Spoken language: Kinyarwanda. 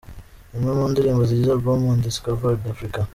Imwe mu ndirimbo zigize Album ‘Undiscovered Africa’.